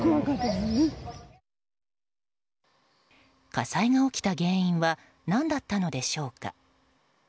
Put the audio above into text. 火災が起きた原因は何だったのでしょうか？